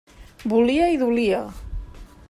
Volia i dolia.